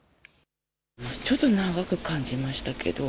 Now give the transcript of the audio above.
ちょっと長く感じましたけど。